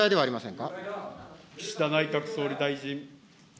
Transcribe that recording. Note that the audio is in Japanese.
岸田内閣総理大臣。